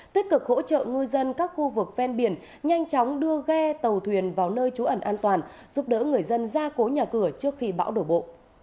tích cực hỗ trợ ngư dân các khu vực ven biển nhanh chóng đưa ghe tàu thuyền vào nơi trú ẩn an toàn giúp đỡ người dân ra cố nhà cửa trước khi bão đổ bộ